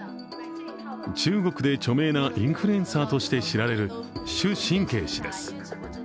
中国で著名なインフルエンサーとして知られる朱宸慧氏です。